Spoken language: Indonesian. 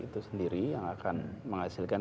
itu sendiri yang akan menghasilkan